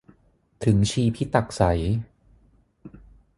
ถึงชีพิตักษัย